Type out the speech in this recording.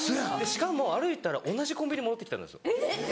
しかも歩いてたら同じコンビニに戻ってきたんですよ。